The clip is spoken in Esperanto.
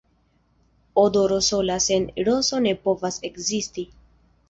Odoro sola sen rozo ne povas ekzisti.